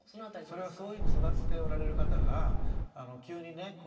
それはそういうふうに育っておられる方が急にね